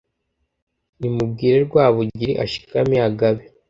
Nimubwire Rwabugiri ashikame agabe